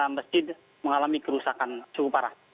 tiga masjid mengalami kerusakan suku parah